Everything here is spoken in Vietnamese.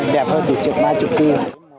đẹp hơn thì một triệu ba triệu kia